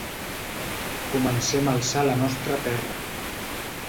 Comencem a alçar la nostra terra.